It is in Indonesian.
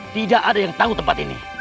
tidak ada yang tahu tempat ini